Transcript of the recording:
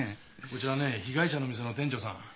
こちらね被害者の店の店長さん。